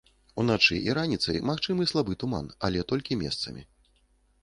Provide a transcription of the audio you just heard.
Уначы і раніцай магчымы слабы туман, але толькі месцамі.